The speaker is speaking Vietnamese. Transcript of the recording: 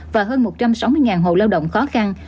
và hơn một trăm sáu mươi hồ lao động khó khăn